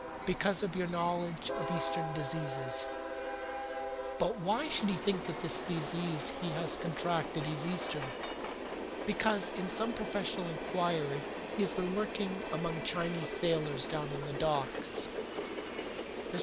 "Because of your knowledge of Eastern diseases." "But why should he think that this disease which he has contracted is Eastern?" "Because, in some professional inquiry, he has been working among Chinese sailors down in the docks."